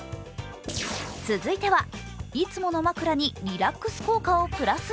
続いては、いつもの枕にリラックス効果をプラス？